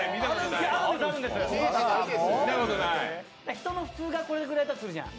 人の普通がこれぐらいだとするじゃん。